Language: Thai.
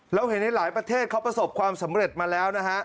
เราเห็นในหลายประเทศเขาประสบความสำเร็จมาแล้วนะฮะ